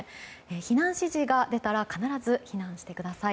避難指示が出たら必ず避難してください。